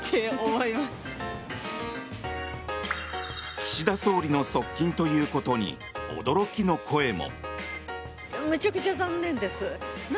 岸田総理の側近ということに驚きの声も。